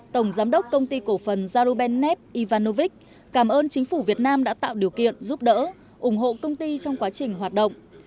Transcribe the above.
tổng giám đốc công ty cổ phần zarubenev ivanovic cảm ơn chính phủ việt nam đã tạo điều kiện giúp đỡ ủng hộ công ty trong quá trình hoạt động